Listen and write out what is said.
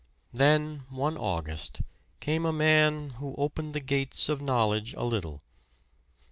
Then, one August, came a man who opened the gates of knowledge a little.